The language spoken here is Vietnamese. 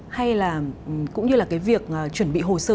hay là cũng như là cái việc chuẩn bị hồ sơ ứng dụng